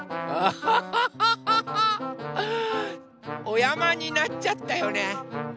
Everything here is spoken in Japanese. おやまになっちゃったよね。